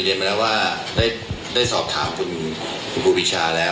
ก็เรียนมาแล้วว่าได้สอบถามคุณคุณผู้พิชาแล้ว